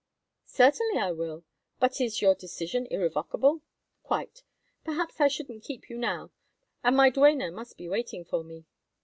"Certainly I will—but is your decision irrevocable?" "Quite. Perhaps I shouldn't keep you now. And my duenna must be waiting for me."